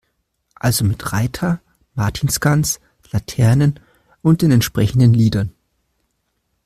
Also mit Reiter, Martinsgans, Laternen und den entsprechenden Liedern.